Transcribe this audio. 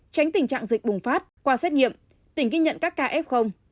tránh tình trạng dịch bùng phát qua xét nghiệm tỉnh ghi nhận các kf